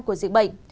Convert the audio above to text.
của dịch bệnh